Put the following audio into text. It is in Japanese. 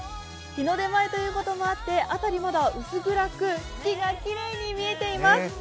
日の出前ということもあって辺り、まだ薄暗く、月がきれいに見えています。